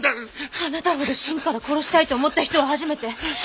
あなたほど心から殺したいと思った人は初めて。